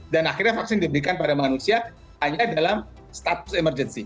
dan akhirnya vaksin diberikan pada manusia hanya dalam status emergency